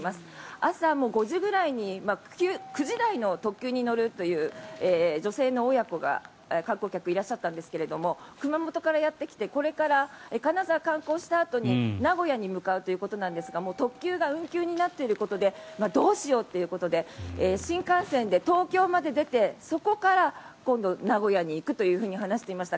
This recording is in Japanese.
朝も５時ぐらいに９時台の特急に乗るという女性の親子が観光客、いらっしゃったんですが熊本からやってきてこれから金沢を観光したあとに名古屋に向かうということですがもう特急が運休になっていることでどうしようということで新幹線で東京まで出てそこから今度名古屋に行くと話していました。